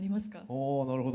おなるほど。